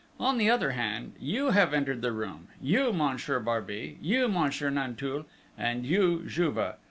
On the other hand, you have entered the room you Monsieur Barbey, you Monsieur Nanteuil, and you Juve.